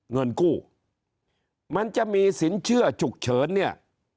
เงินกู้มันจะมีสินเชื่อฉุกเฉินเนี่ย